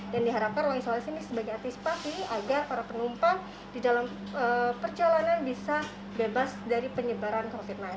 dan diharapkan ruang isolasi ini sebagai antisipasi agar para penumpang bisa menemukan ruang isolasi